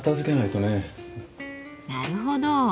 なるほど。